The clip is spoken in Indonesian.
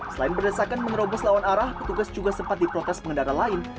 selain berdasarkan mengerobos lawan arah petugas juga sempat diprotes pengendara lain